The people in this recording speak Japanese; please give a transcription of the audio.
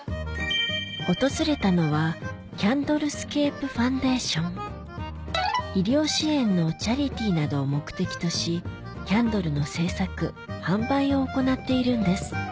訪れたのは医療支援のチャリティーなどを目的としキャンドルの製作販売を行っているんです